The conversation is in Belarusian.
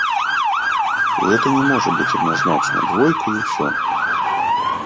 Гэта не можа быць адназначна, двойка і ўсё.